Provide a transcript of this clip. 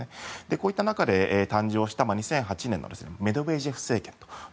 こういった中で誕生した２０１８年のメドベージェフ政権。